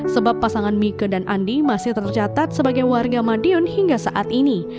sebab pasangan mika dan andi masih tercatat sebagai warga madiun hingga saat ini